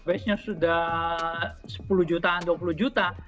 biasanya sudah sepuluh jutaan dua puluh jutaan